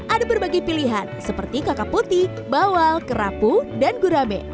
ada berbagai pilihan seperti kakak putih bawang kerapu dan gurame